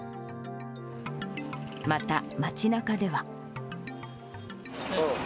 また、街なかでは。